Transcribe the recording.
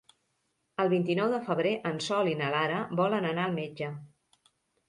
El vint-i-nou de febrer en Sol i na Lara volen anar al metge.